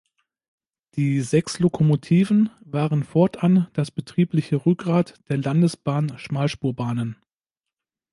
Die sechs Lokomotiven waren fortan das betriebliche Rückgrat der Landesbahn-Schmalspurbahnen.